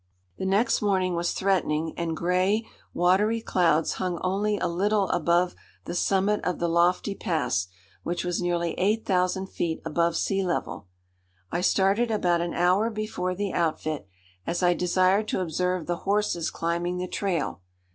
The next morning was threatening, and gray, watery clouds hung only a little above the summit of the lofty pass, which was nearly 8000 feet above sea level. I started about an hour before the outfit, as I desired to observe the horses climbing the trail.